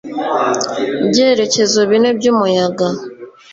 Byerekezo bine by umuyaga